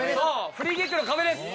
フリーキックの壁です」